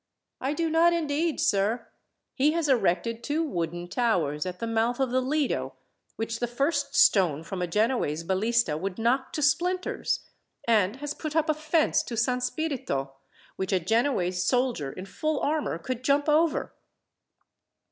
"I do not, indeed, sir. He has erected two wooden towers at the mouth of the Lido, which the first stone from a Genoese ballista would knock to splinters; and has put up a fence to San Spirito, which a Genoese soldier in full armour could jump over."